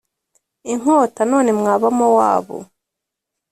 inkota none mwa bamowabu